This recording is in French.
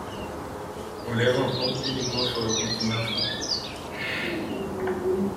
On les rencontre uniquement sur le continent africain.